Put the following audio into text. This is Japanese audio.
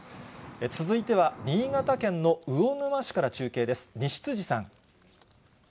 続いては、新潟県の魚沼市から中継です。